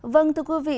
vâng thưa quý vị